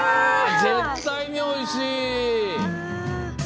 絶対においしい！